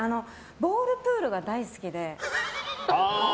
ボールプールが大好きで。